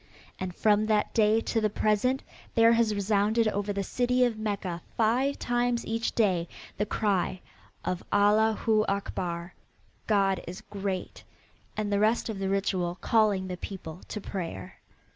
And from that day to the present there has resounded over the city of Mecca five times each day the cry of "Allah Hu Akbar" God is great, and the rest of the ritual calling the people to prayer.